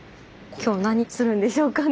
今日何するんでしょうかね？